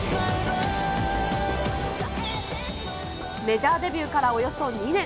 メジャーデビューからおよそ２年。